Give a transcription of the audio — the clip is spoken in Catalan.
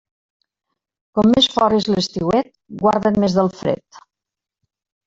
Com més fort és l'estiuet, guarda't més del fred.